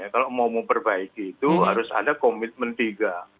kalau mau memperbaiki itu harus ada komitmen tiga